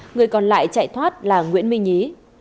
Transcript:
người còn lại chạy thoát là nguyễn minh nhí